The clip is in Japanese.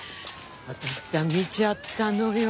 私さ見ちゃったのよ。